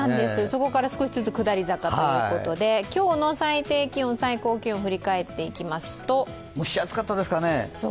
そこから少しずつ下り坂ということで今日の最低気温、最高気温振り返っていきますと蒸し暑かったですかね。